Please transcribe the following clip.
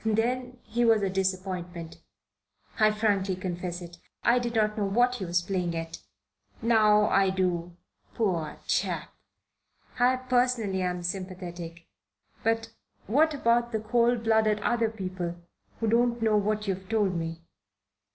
Then he was a disappointment. I frankly confess it. I didn't know what he was playing at. Now I do. Poor chap. I personally am sympathetic. But what about the cold blooded other people, who don't know what you've told me?